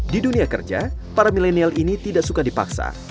di dunia kerja para milenial ini tidak suka dipaksa